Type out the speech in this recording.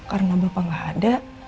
karena bapak gak ada